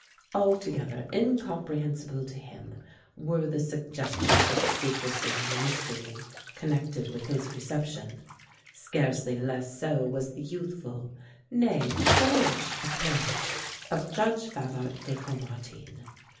Altogether incomprehensible to him were the suggestions of secrecy and mystery connected with his reception; scarcely less so was the youthful, nay, boyish appearance of Judge Favart de Caumartin.